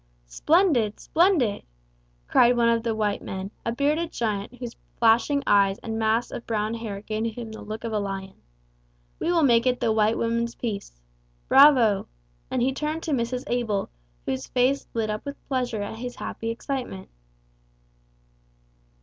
"Splendid! Splendid!" cried one of the white men, a bearded giant whose flashing eyes and mass of brown hair gave him the look of a lion. "We will make it the white woman's peace. Bravo!" And he turned to Mrs. Abel, whose face lit up with pleasure at his happy excitement.